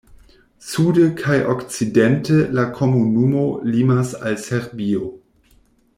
Sude kaj okcidente la komunumo limas al Serbio.